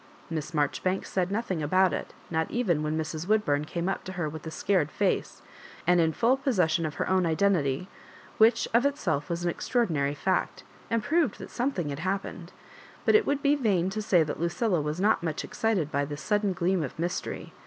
Miss Marjoribanks said nothing about it, not even when Mrs. Wood bum came up to her with a scared mce, and in full possession of her own identity, which of it self was an extraordinary &ct, and proved that something had happened ; but it would be vain to say that Lucilla was not much excited by this sudden gleam of mystery.